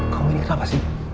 kau ini kenapa sih